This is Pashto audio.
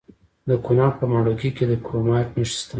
د کونړ په ماڼوګي کې د کرومایټ نښې شته.